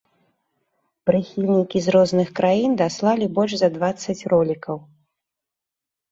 Прыхільнікі з розных краін даслалі больш за дваццаць ролікаў.